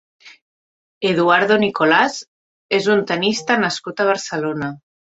Eduardo Nicolás és un tennista nascut a Barcelona.